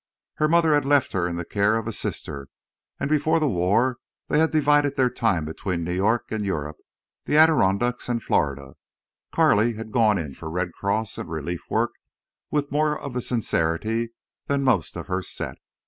Her mother had left her in the care of a sister, and before the war they had divided their time between New York and Europe, the Adirondacks and Florida, Carley had gone in for Red Cross and relief work with more of sincerity than most of her set.